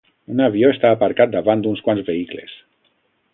Un avió està aparcat davant d'uns quants vehicles.